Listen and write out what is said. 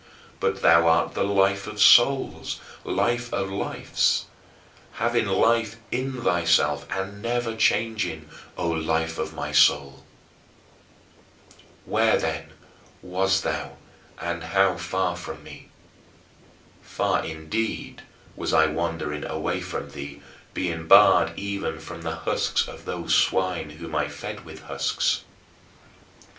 But thou art the life of souls, life of lives, having life in thyself, and never changing, O Life of my soul. 11. Where, then, wast thou and how far from me? Far, indeed, was I wandering away from thee, being barred even from the husks of those swine whom I fed with husks.